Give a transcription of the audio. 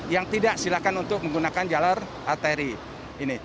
yang tidak silakan untuk menggunakan jalur arteri ini